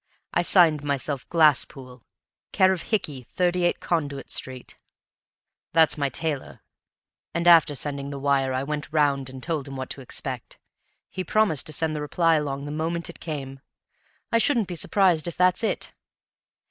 I signed myself Glasspool, care of Hickey, 38, Conduit Street; that's my tailor, and after sending the wire I went round and told him what to expect. He promised to send the reply along the moment it came. I shouldn't be surprised if that's it!"